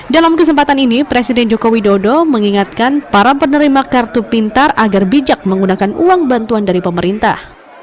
dalam kesempatan ini presiden joko widodo mengingatkan para penerima kartu pintar agar bijak menggunakan uang bantuan dari pemerintah